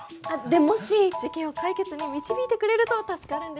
でもし事件を解決に導いてくれると助かるんですけど。